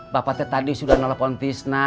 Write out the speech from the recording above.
bapak teh tadi sudah nelfon tisna